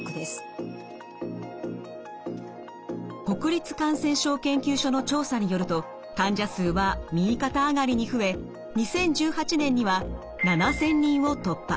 国立感染症研究所の調査によると患者数は右肩上がりに増え２０１８年には７，０００人を突破。